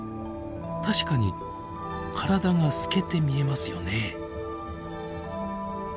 確かに体が透けて見えますよね。